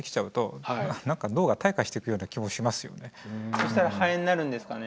そしたらハエになるんですかね？